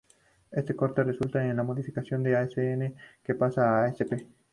Este corte resulta en la modificación de Asn, que pasa a Asp.